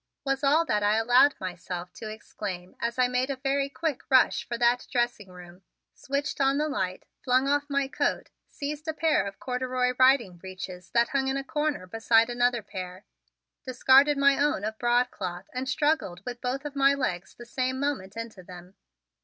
was all that I allowed myself to exclaim as I made a very quick rush for that dressing room, switched on the light, flung off my coat, seized a pair of corduroy riding breeches that hung in a corner beside another pair, discarded my own of broadcloth and struggled with both of my legs the same moment into them.